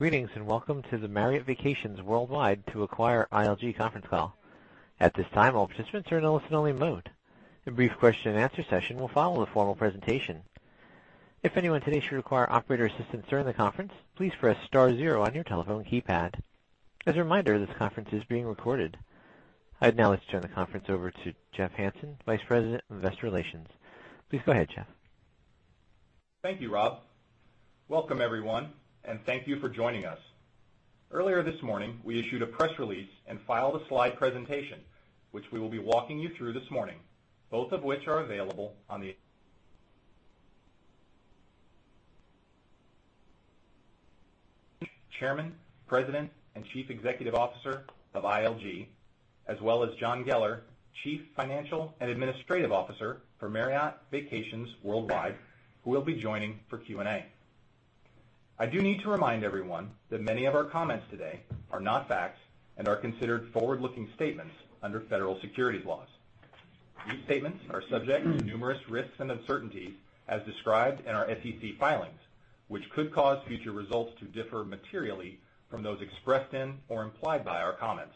Greetings, and welcome to the Marriott Vacations Worldwide to acquire ILG conference call. At this time, all participants are in a listen-only mode. A brief question and answer session will follow the formal presentation. If anyone today should require operator assistance during the conference, please press star zero on your telephone keypad. As a reminder, this conference is being recorded. I'd now like to turn the conference over to Jeff Hansen, Vice President of Investor Relations. Please go ahead, Jeff. Thank you, Rob. Welcome, everyone, and thank you for joining us. Earlier this morning, we issued a press release and filed a slide presentation, which we will be walking you through this morning, both of which are available on the Chairman, President, and Chief Executive Officer of ILG, as well as John Geller, Chief Financial and Administrative Officer for Marriott Vacations Worldwide, who will be joining for Q&A. I do need to remind everyone that many of our comments today are not facts and are considered forward-looking statements under federal securities laws. These statements are subject to numerous risks and uncertainties as described in our SEC filings, which could cause future results to differ materially from those expressed in or implied by our comments.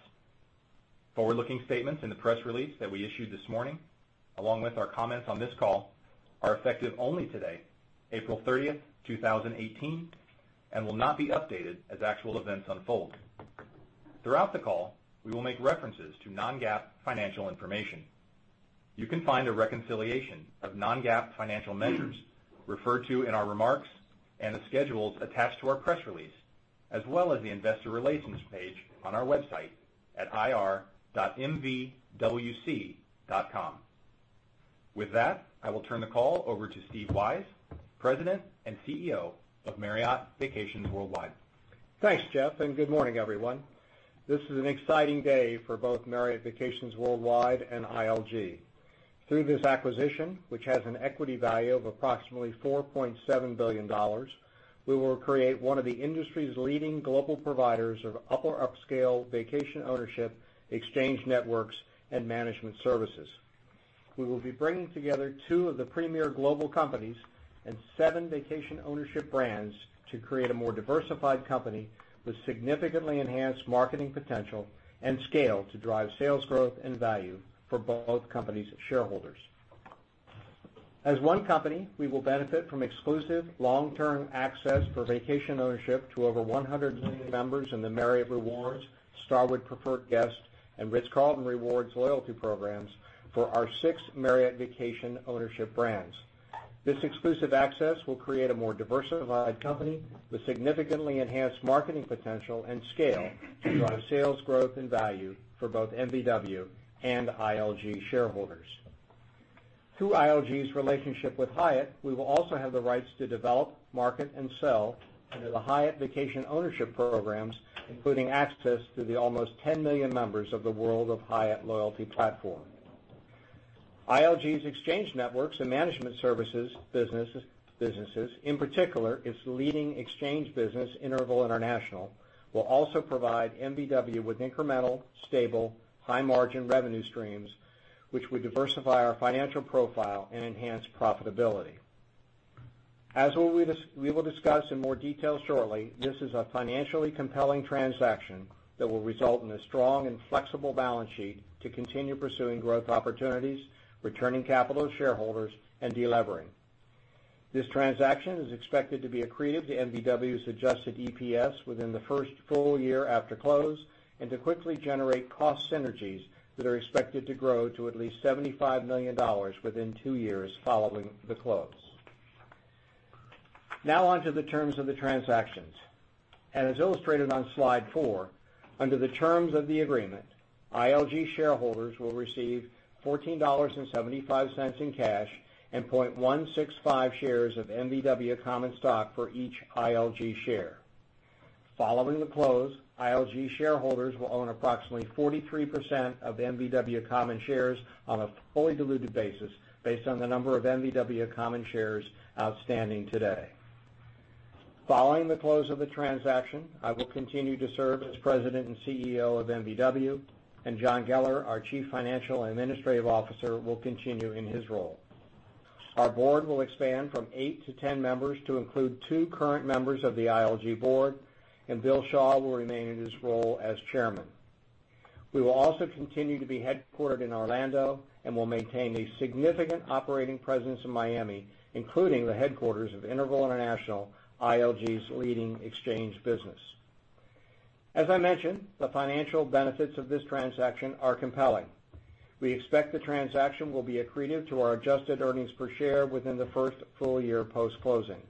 Forward-looking statements in the press release that we issued this morning, along with our comments on this call, are effective only today, April 30th, 2018, and will not be updated as actual events unfold. Throughout the call, we will make references to non-GAAP financial information. You can find a reconciliation of non-GAAP financial measures referred to in our remarks and the schedules attached to our press release, as well as the investor relations page on our website at ir.mvwc.com. With that, I will turn the call over to Steve Weisz, President and CEO of Marriott Vacations Worldwide. Thanks, Jeff. Good morning, everyone. This is an exciting day for both Marriott Vacations Worldwide and ILG. Through this acquisition, which has an equity value of approximately $4.7 billion, we will create one of the industry's leading global providers of upper upscale vacation ownership, exchange networks, and management services. We will be bringing together two of the premier global companies and seven vacation ownership brands to create a more diversified company with significantly enhanced marketing potential and scale to drive sales growth and value for both companies' shareholders. As one company, we will benefit from exclusive long-term access for vacation ownership to over 100 million members in the Marriott Rewards, Starwood Preferred Guest, and The Ritz-Carlton Rewards loyalty programs for our six Marriott Vacation Ownership brands. This exclusive access will create a more diversified company with significantly enhanced marketing potential and scale to drive sales growth and value for both MVW and ILG shareholders. Through ILG's relationship with Hyatt, we will also have the rights to develop, market, and sell under the Hyatt Vacation Ownership programs, including access to the almost 10 million members of the World of Hyatt loyalty platform. ILG's exchange networks and management services businesses, in particular its leading exchange business, Interval International, will also provide MVW with incremental, stable, high-margin revenue streams, which would diversify our financial profile and enhance profitability. As we will discuss in more detail shortly, this is a financially compelling transaction that will result in a strong and flexible balance sheet to continue pursuing growth opportunities, returning capital to shareholders, and de-levering. This transaction is expected to be accretive to MVW's adjusted EPS within the first full year after close and to quickly generate cost synergies that are expected to grow to at least $75 million within two years following the close. On to the terms of the transactions. As illustrated on slide four, under the terms of the agreement, ILG shareholders will receive $14.75 in cash and 0.165 shares of MVW common stock for each ILG share. Following the close, ILG shareholders will own approximately 43% of MVW common shares on a fully diluted basis, based on the number of MVW common shares outstanding today. Following the close of the transaction, I will continue to serve as President and CEO of MVW, and John Geller, our Chief Financial and Administrative Officer, will continue in his role. Our board will expand from eight to 10 members to include two current members of the ILG board, and Bill Shaw will remain in his role as Chairman. We will also continue to be headquartered in Orlando and will maintain a significant operating presence in Miami, including the headquarters of Interval International, ILG's leading exchange business. As I mentioned, the financial benefits of this transaction are compelling. We expect the transaction will be accretive to our adjusted earnings per share within the first full year post-closing.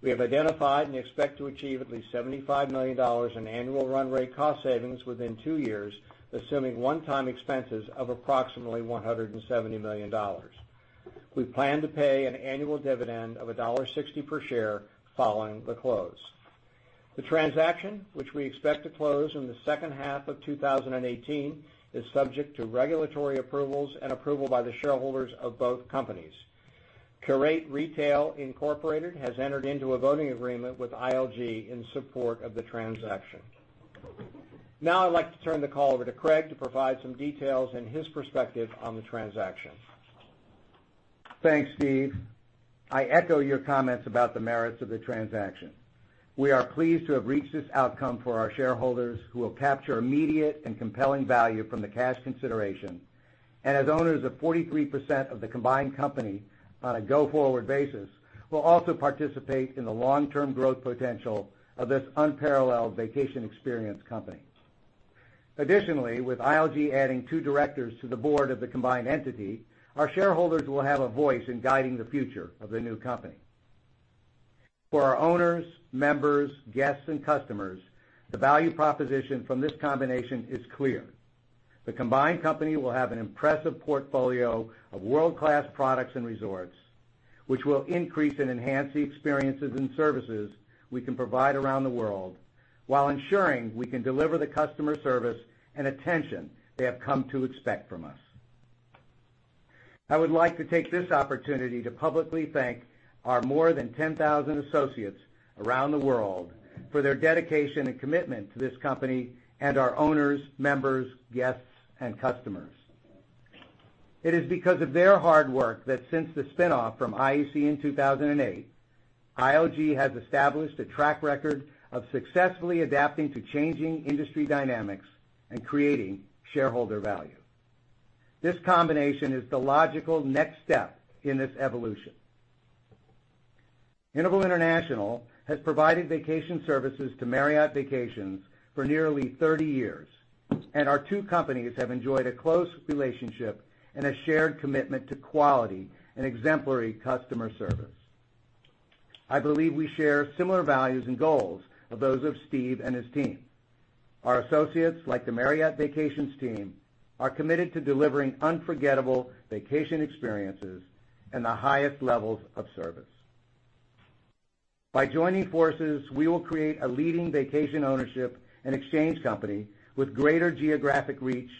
We have identified and expect to achieve at least $75 million in annual run rate cost savings within two years, assuming one-time expenses of approximately $170 million. We plan to pay an annual dividend of $1.60 per share following the close. The transaction, which we expect to close in the second half of 2018, is subject to regulatory approvals and approval by the shareholders of both companies. Qurate Retail, Inc. has entered into a voting agreement with ILG in support of the transaction. I'd like to turn the call over to Craig to provide some details and his perspective on the transaction. Thanks, Steve. I echo your comments about the merits of the transaction. We are pleased to have reached this outcome for our shareholders, who will capture immediate and compelling value from the cash consideration. As owners of 43% of the combined company on a go-forward basis, will also participate in the long-term growth potential of this unparalleled vacation experience company. Additionally, with ILG adding two directors to the board of the combined entity, our shareholders will have a voice in guiding the future of the new company. For our owners, members, guests, and customers, the value proposition from this combination is clear. The combined company will have an impressive portfolio of world-class products and resorts, which will increase and enhance the experiences and services we can provide around the world while ensuring we can deliver the customer service and attention they have come to expect from us. I would like to take this opportunity to publicly thank our more than 10,000 associates around the world for their dedication and commitment to this company and our owners, members, guests, and customers. It is because of their hard work that since the spinoff from IAC in 2008, ILG has established a track record of successfully adapting to changing industry dynamics and creating shareholder value. This combination is the logical next step in this evolution. Interval International has provided vacation services to Marriott Vacations Worldwide for nearly 30 years, and our two companies have enjoyed a close relationship and a shared commitment to quality and exemplary customer service. I believe we share similar values and goals of those of Steve and his team. Our associates, like the Marriott Vacations Worldwide team, are committed to delivering unforgettable vacation experiences and the highest levels of service. By joining forces, we will create a leading vacation ownership and exchange company with greater geographic reach,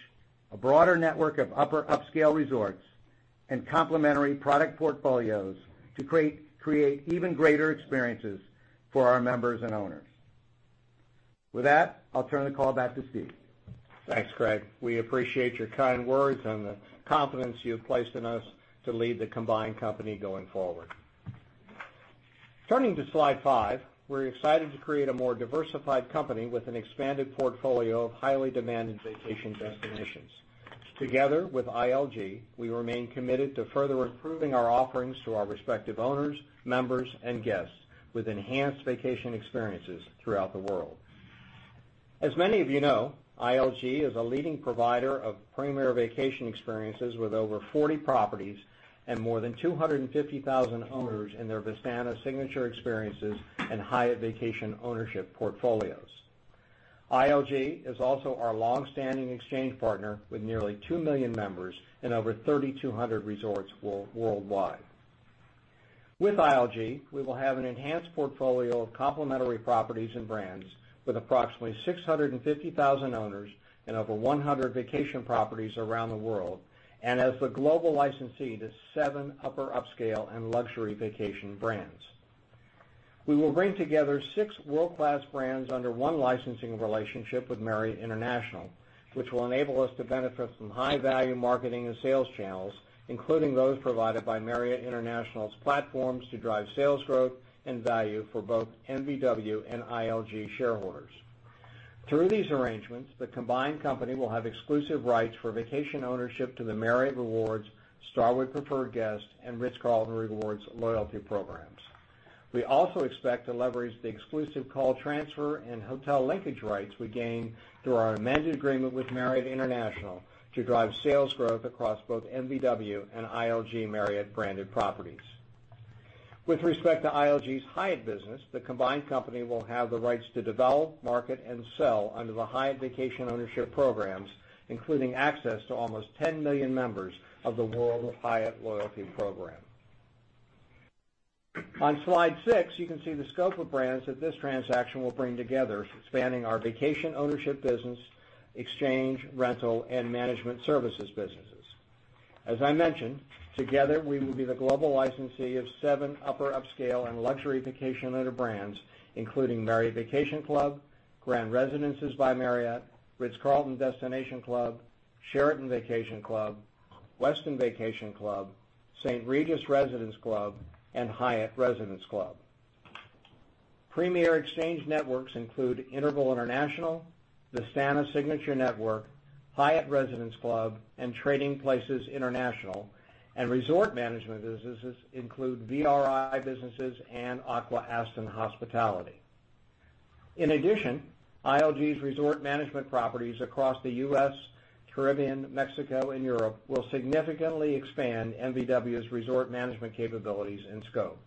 a broader network of upper upscale resorts, and complementary product portfolios to create even greater experiences for our members and owners. With that, I'll turn the call back to Steve. Thanks, Craig. We appreciate your kind words and the confidence you have placed in us to lead the combined company going forward. Turning to slide five. We're excited to create a more diversified company with an expanded portfolio of highly demanded vacation destinations. Together with ILG, we remain committed to further improving our offerings to our respective owners, members, and guests with enhanced vacation experiences throughout the world. As many of you know, ILG is a leading provider of premier vacation experiences with over 40 properties and more than 250,000 owners in their Vistana Signature Experiences and Hyatt Vacation Club portfolios. ILG is also our long-standing exchange partner with nearly 2 million members and over 3,200 resorts worldwide. With ILG, we will have an enhanced portfolio of complementary properties and brands with approximately 650,000 owners and over 100 vacation properties around the world, as the global licensee to seven upper upscale and luxury vacation brands. We will bring together six world-class brands under one licensing relationship with Marriott International, which will enable us to benefit from high-value marketing and sales channels, including those provided by Marriott International's platforms to drive sales growth and value for both MVW and ILG shareholders. Through these arrangements, the combined company will have exclusive rights for vacation ownership to the Marriott Rewards, Starwood Preferred Guest, and The Ritz-Carlton Rewards loyalty programs. We also expect to leverage the exclusive call transfer and hotel linkage rights we gain through our amended agreement with Marriott International to drive sales growth across both MVW and ILG Marriott-branded properties. With respect to ILG's Hyatt business, the combined company will have the rights to develop, market, and sell under the Hyatt Vacation Ownership programs, including access to almost 10 million members of the World of Hyatt loyalty program. On slide six, you can see the scope of brands that this transaction will bring together, spanning our vacation ownership business, exchange, rental, and management services businesses. As I mentioned, together, we will be the global licensee of seven upper upscale and luxury vacation owner brands, including Marriott Vacation Club, Grand Residences by Marriott, The Ritz-Carlton Club, Sheraton Vacation Club, Westin Vacation Club, St. Regis Residence Club, and Hyatt Residence Club. Premier exchange networks include Interval International, Vistana Signature Network, Hyatt Residence Club, and Trading Places International. Resort management businesses include VRI businesses and Aqua-Aston Hospitality. In addition, ILG's resort management properties across the U.S., Caribbean, Mexico, and Europe will significantly expand MVW's resort management capabilities and scope.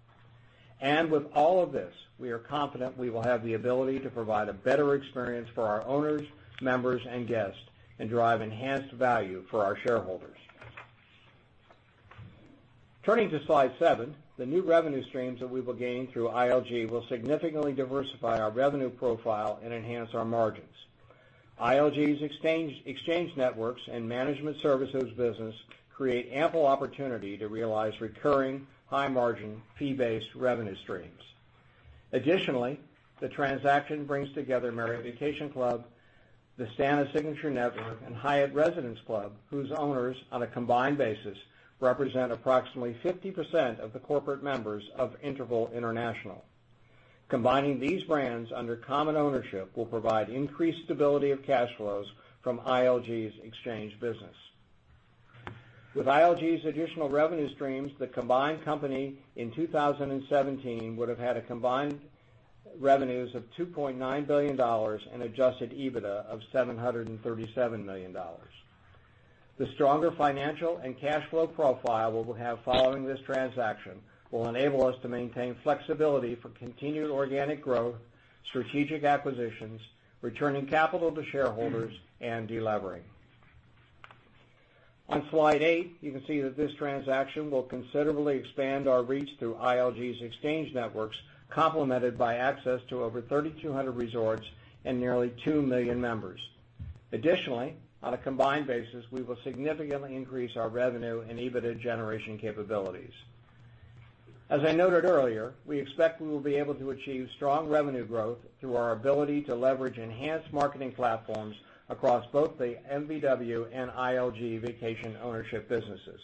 With all of this, we are confident we will have the ability to provide a better experience for our owners, members, and guests and drive enhanced value for our shareholders. Turning to slide seven. The new revenue streams that we will gain through ILG will significantly diversify our revenue profile and enhance our margins. ILG's exchange networks and management services business create ample opportunity to realize recurring high-margin, fee-based revenue streams. Additionally, the transaction brings together Marriott Vacation Club, Vistana Signature Network, and Hyatt Residence Club, whose owners, on a combined basis, represent approximately 50% of the corporate members of Interval International. Combining these brands under common ownership will provide increased stability of cash flows from ILG's exchange business. With ILG's additional revenue streams, the combined company in 2017 would have had combined revenues of $2.9 billion and adjusted EBITDA of $737 million. The stronger financial and cash flow profile we will have following this transaction will enable us to maintain flexibility for continued organic growth, strategic acquisitions, returning capital to shareholders, and de-levering. On slide eight, you can see that this transaction will considerably expand our reach through ILG's exchange networks, complemented by access to over 3,200 resorts and nearly 2 million members. Additionally, on a combined basis, we will significantly increase our revenue and EBITDA generation capabilities. As I noted earlier, we expect we will be able to achieve strong revenue growth through our ability to leverage enhanced marketing platforms across both the MVW and ILG vacation ownership businesses.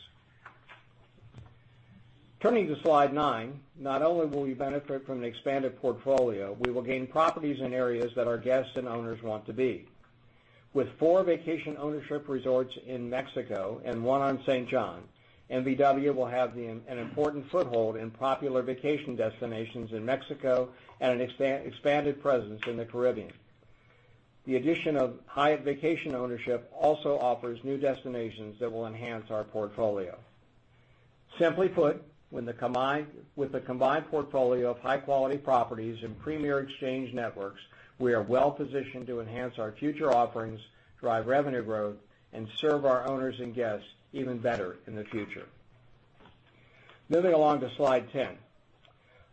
Turning to slide nine, not only will we benefit from an expanded portfolio, we will gain properties in areas that our guests and owners want to be. With four vacation ownership resorts in Mexico and one on St. John, MVW will have an important foothold in popular vacation destinations in Mexico and an expanded presence in the Caribbean. The addition of Hyatt Vacation Club also offers new destinations that will enhance our portfolio. Simply put, with the combined portfolio of high-quality properties and premier exchange networks, we are well positioned to enhance our future offerings, drive revenue growth, and serve our owners and guests even better in the future. Moving along to slide 10.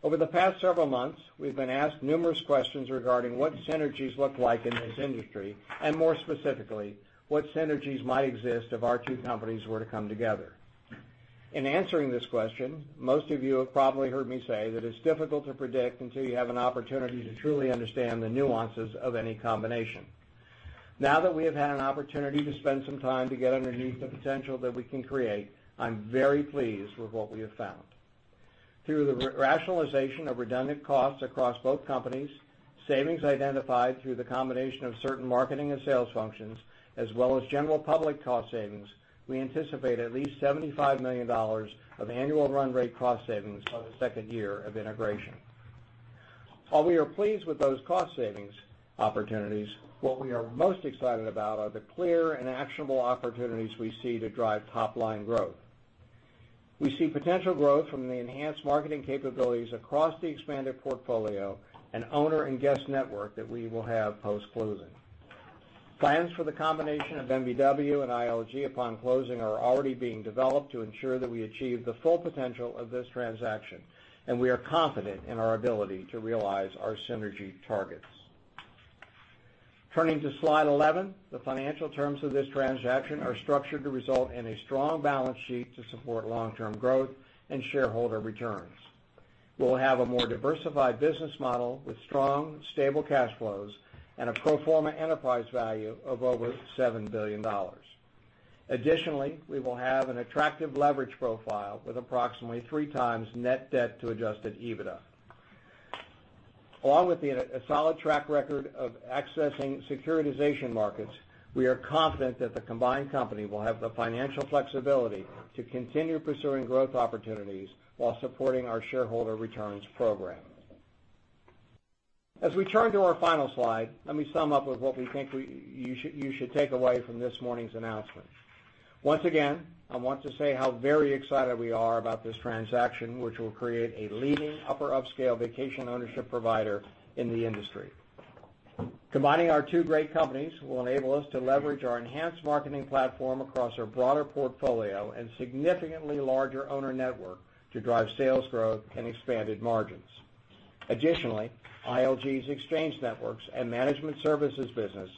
Over the past several months, we've been asked numerous questions regarding what synergies look like in this industry, and more specifically, what synergies might exist if our two companies were to come together. In answering this question, most of you have probably heard me say that it's difficult to predict until you have an opportunity to truly understand the nuances of any combination. Now that we have had an opportunity to spend some time to get underneath the potential that we can create, I'm very pleased with what we have found. Through the rationalization of redundant costs across both companies, savings identified through the combination of certain marketing and sales functions, as well as general public cost savings, we anticipate at least $75 million of annual run rate cost savings by the second year of integration. While we are pleased with those cost savings opportunities, what we are most excited about are the clear and actionable opportunities we see to drive top-line growth. We see potential growth from the enhanced marketing capabilities across the expanded portfolio and owner and guest network that we will have post-closing. Plans for the combination of MVW and ILG upon closing are already being developed to ensure that we achieve the full potential of this transaction, and we are confident in our ability to realize our synergy targets. Turning to slide 11, the financial terms of this transaction are structured to result in a strong balance sheet to support long-term growth and shareholder returns. We'll have a more diversified business model with strong, stable cash flows and a pro forma enterprise value of over $7 billion. Additionally, we will have an attractive leverage profile with approximately 3x net debt to adjusted EBITDA. Along with a solid track record of accessing securitization markets, we are confident that the combined company will have the financial flexibility to continue pursuing growth opportunities while supporting our shareholder returns program. As we turn to our final slide, let me sum up with what we think you should take away from this morning's announcement. Once again, I want to say how very excited we are about this transaction, which will create a leading upper upscale vacation ownership provider in the industry. Combining our two great companies will enable us to leverage our enhanced marketing platform across our broader portfolio and significantly larger owner network to drive sales growth and expanded margins. Additionally, ILG's exchange networks and management services business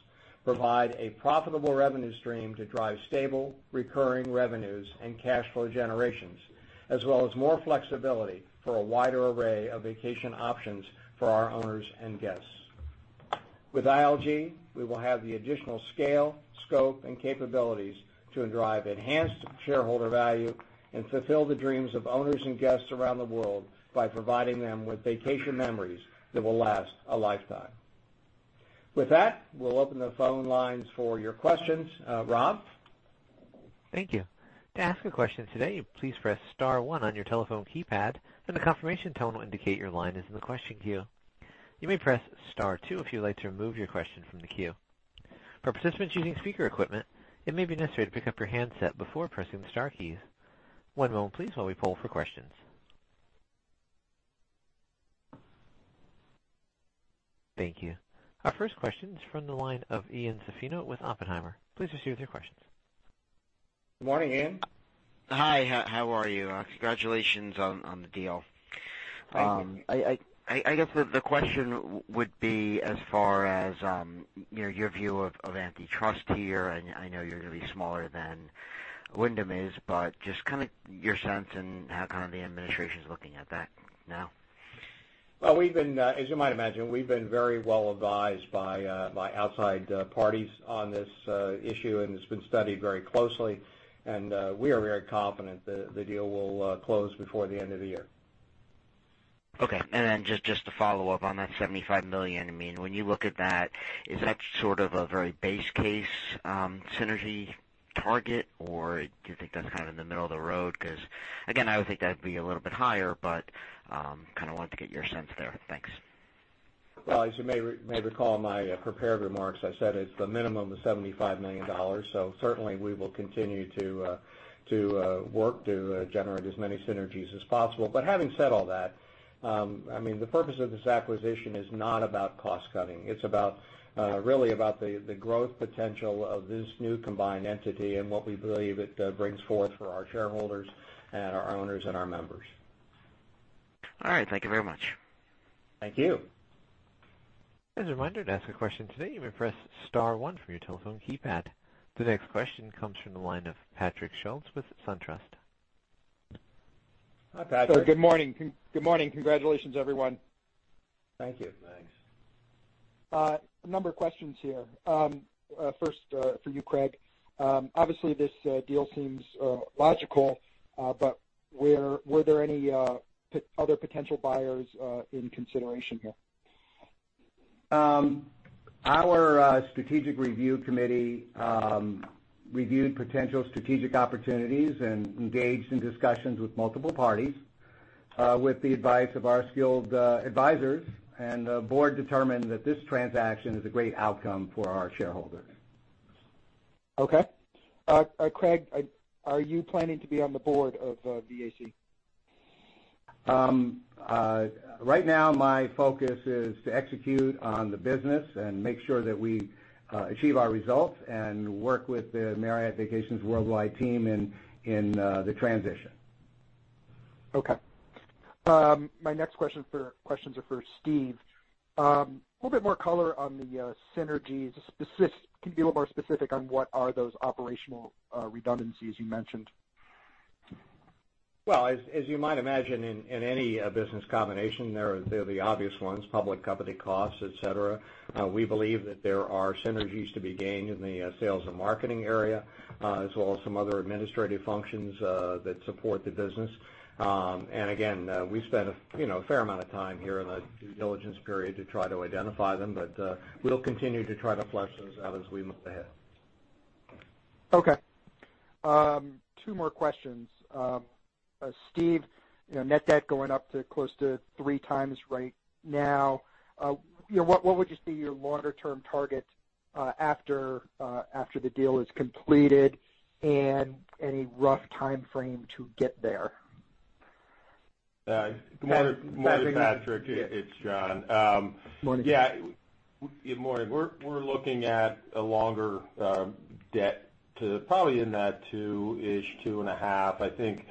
provide a profitable revenue stream to drive stable, recurring revenues and cash flow generations, as well as more flexibility for a wider array of vacation options for our owners and guests. With ILG, we will have the additional scale, scope, and capabilities to drive enhanced shareholder value and fulfill the dreams of owners and guests around the world by providing them with vacation memories that will last a lifetime. With that, we'll open the phone lines for your questions. Rob? Thank you. To ask a question today, please press *1 on your telephone keypad and the confirmation tone will indicate your line is in the question queue. You may press *2 if you'd like to remove your question from the queue. For participants using speaker equipment, it may be necessary to pick up your handset before pressing the star keys. One moment, please, while we poll for questions. Thank you. Our first question is from the line of Ian Zaffino with Oppenheimer. Please proceed with your questions. Morning, Ian. Hi, how are you? Congratulations on the deal. Thank you. I guess the question would be as far as your view of antitrust here, I know you're going to be smaller than Wyndham is, but just your sense in how the administration is looking at that now. Well, as you might imagine, we've been very well-advised by outside parties on this issue. It's been studied very closely. We are very confident the deal will close before the end of the year. Okay. Just to follow up on that $75 million, when you look at that, is that sort of a very base case synergy target, or do you think that's kind of in the middle of the road? Again, I would think that'd be a little bit higher, I wanted to get your sense there. Thanks. Well, as you may recall, in my prepared remarks, I said it's the minimum of $75 million. Certainly, we will continue to work to generate as many synergies as possible. Having said all that, the purpose of this acquisition is not about cost cutting. It's really about the growth potential of this new combined entity and what we believe it brings forth for our shareholders and our owners and our members. All right. Thank you very much. Thank you. As a reminder, to ask a question today, you may press star one from your telephone keypad. The next question comes from the line of Patrick Scholes with SunTrust. Hi, Patrick. Good morning. Congratulations, everyone. Thank you. Thanks. A number of questions here. First, for you, Craig. Obviously, this deal seems logical, were there any other potential buyers in consideration here? Our strategic review committee reviewed potential strategic opportunities and engaged in discussions with multiple parties, with the advice of our skilled advisors. The board determined that this transaction is a great outcome for our shareholders. Okay. Craig, are you planning to be on the board of VAC? Right now, my focus is to execute on the business and make sure that we achieve our results and work with the Marriott Vacations Worldwide team in the transition. Okay. My next questions are for Steve. A little bit more color on the synergies. Can you be a little more specific on what are those operational redundancies you mentioned? Well, as you might imagine, in any business combination, there are the obvious ones, public company costs, et cetera. We believe that there are synergies to be gained in the sales and marketing area, as well as some other administrative functions that support the business. Again, we spent a fair amount of time here in the due diligence period to try to identify them, but we'll continue to try to flesh those out as we move ahead. Okay. Two more questions. Steve, net debt going up to close to three times right now. What would just be your longer-term target after the deal is completed, and any rough timeframe to get there? Good morning, Patrick. It's John. Morning. Yeah. Good morning. We're looking at a longer debt to probably in that two-ish, two and a half. I think,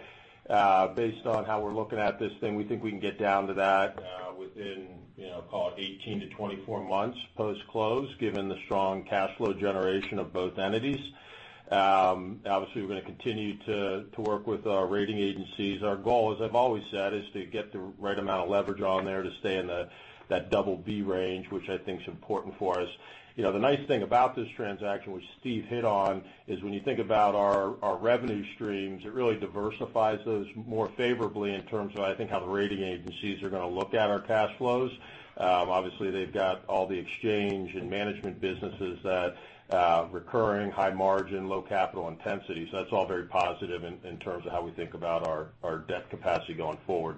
based on how we're looking at this thing, we think we can get down to that within call it 18 to 24 months post-close, given the strong cash flow generation of both entities. Obviously, we're going to continue to work with our rating agencies. Our goal, as I've always said, is to get the right amount of leverage on there to stay in that Double B range, which I think is important for us. The nice thing about this transaction, which Steve hit on, is when you think about our revenue streams, it really diversifies those more favorably in terms of, I think, how the rating agencies are going to look at our cash flows. Obviously, they've got all the exchange and management businesses, that recurring high margin, low capital intensity. That's all very positive in terms of how we think about our debt capacity going forward.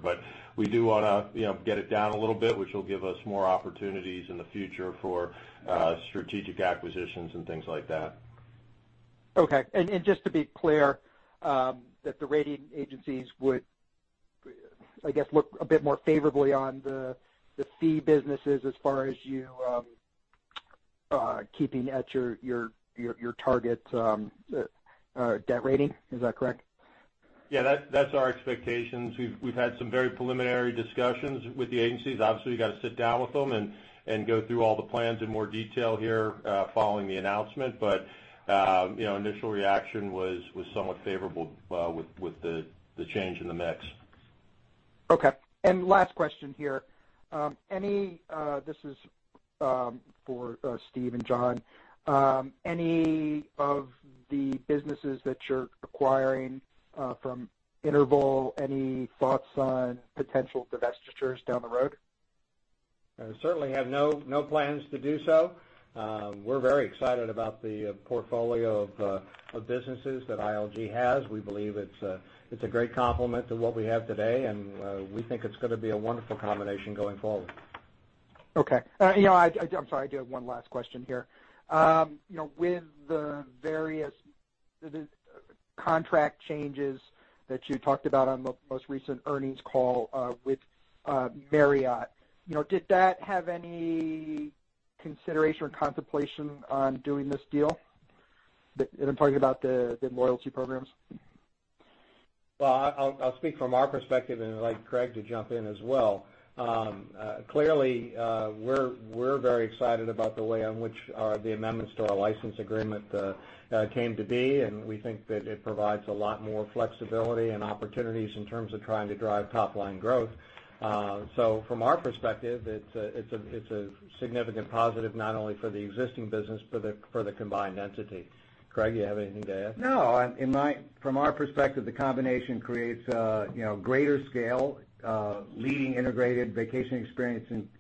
We do want to get it down a little bit, which will give us more opportunities in the future for strategic acquisitions and things like that. Okay. Just to be clear, that the rating agencies would, I guess, look a bit more favorably on the fee businesses as far as you keeping at your target debt rating? Is that correct? Yeah, that's our expectations. We've had some very preliminary discussions with the agencies. Obviously, we've got to sit down with them and go through all the plans in more detail here following the announcement. Initial reaction was somewhat favorable with the change in the mix. Okay. Last question here. This is for Steve and John. Any of the businesses that you're acquiring from Interval, any thoughts on potential divestitures down the road? I certainly have no plans to do so. We're very excited about the portfolio of businesses that ILG has. We believe it's a great complement to what we have today, and we think it's going to be a wonderful combination going forward. Okay. I'm sorry, I do have one last question here. With the various contract changes that you talked about on the most recent earnings call with Marriott, did that have any consideration or contemplation on doing this deal? I'm talking about the loyalty programs. Well, I'll speak from our perspective and invite Craig to jump in as well. Clearly, we're very excited about the way in which the amendments to our license agreement came to be, and we think that it provides a lot more flexibility and opportunities in terms of trying to drive top-line growth. From our perspective, it's a significant positive, not only for the existing business but for the combined entity. Craig, you have anything to add? No. From our perspective, the combination creates a greater scale, leading integrated vacation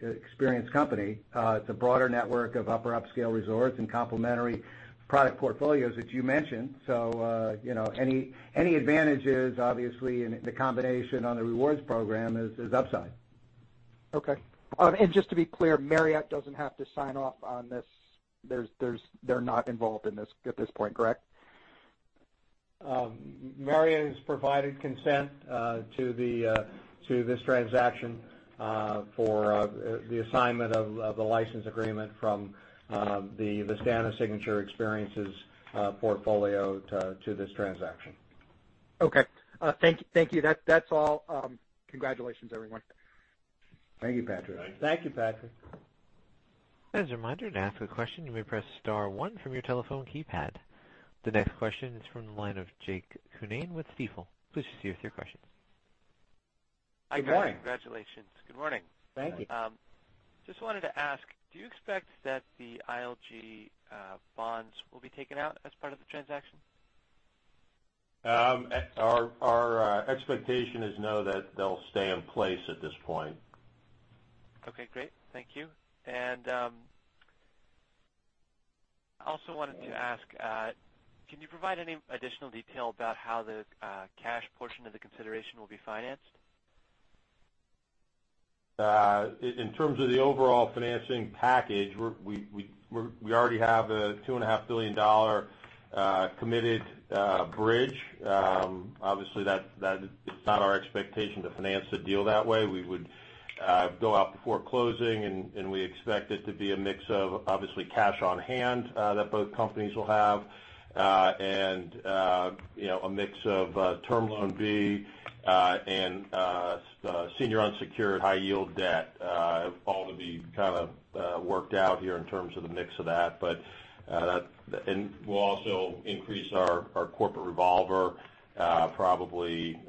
experience company. It's a broader network of upper upscale resorts and complementary product portfolios that you mentioned. Any advantages, obviously, in the combination on the rewards program is upside. Okay. Just to be clear, Marriott doesn't have to sign off on this. They're not involved in this at this point, correct? Marriott has provided consent to this transaction for the assignment of the license agreement from the Vistana Signature Experiences portfolio to this transaction. Okay. Thank you. That's all. Congratulations, everyone. Thank you, Patrick. Thank you. Thank you, Patrick. As a reminder, to ask a question, you may press star one from your telephone keypad. The next question is from the line of Jake Cunane with Stifel. Please proceed with your question. Good morning. Hi, guys. Congratulations. Good morning. Thank you. Just wanted to ask, do you expect that the ILG bonds will be taken out as part of the transaction? Our expectation is no, that they'll stay in place at this point. Okay, great. Thank you. Also wanted to ask, can you provide any additional detail about how the cash portion of the consideration will be financed? In terms of the overall financing package, we already have a $2.5 billion committed bridge. Obviously, that is not our expectation to finance the deal that way. We would go out before closing, and we expect it to be a mix of obviously cash on hand that both companies will have, and a mix of Term Loan B, and senior unsecured high-yield debt, all to be worked out here in terms of the mix of that. We'll also increase our corporate revolver probably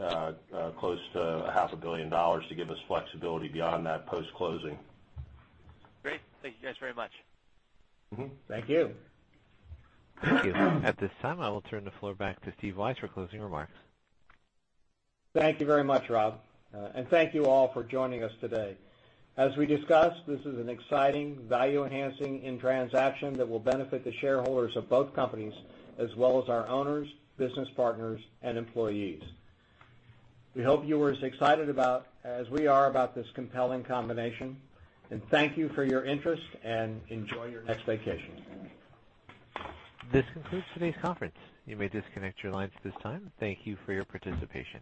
close to a half a billion dollars to give us flexibility beyond that post-closing. Great. Thank you guys very much. Thank you. Thank you. At this time, I will turn the floor back to Steve Weisz for closing remarks. Thank you very much, Rob, and thank you all for joining us today. As we discussed, this is an exciting value-enhancing transaction that will benefit the shareholders of both companies as well as our owners, business partners, and employees. We hope you are as excited about as we are about this compelling combination, and thank you for your interest, and enjoy your next vacation. This concludes today's conference. You may disconnect your lines at this time. Thank you for your participation.